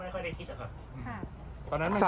ก็วันนั้นไม่ทันคิดแล้วครับ